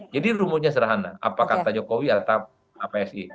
jadi rumuhnya serahana apa kata jokowi atau psi